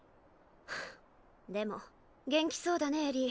はぁでも元気そうだねエリー。